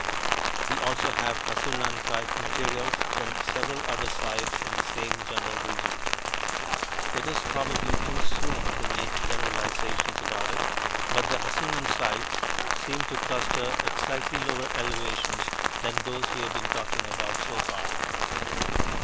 We also have Hassunan type materials from several other sites in the same general region. It is probably too soon to make generalizations about it, but the Hassunan sites seem to cluster at slightly lower elevations than those we have been talking about so far.